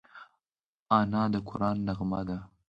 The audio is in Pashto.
انا د قرآن نغمه ده